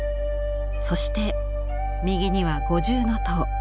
そして右には五重塔。